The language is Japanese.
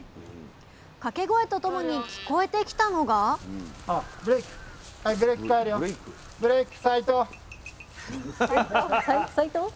掛け声とともに聞こえてきたのがブブレイク？